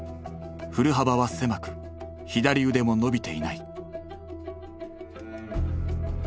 振る幅は狭く左腕も伸びていない。